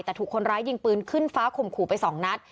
แต่ถูกคนร้ายยิงปืนขึ้นฟ้าข่มขู่ไป๒นัด